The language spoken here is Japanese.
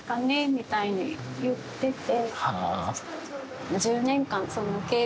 みたいに言ってて。